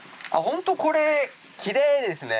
本当これきれいですね。